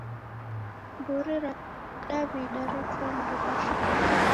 Mburi ra Daw'ida rechua mariw'a shuu.